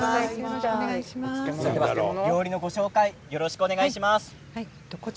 料理のご紹介よろしくお願いします。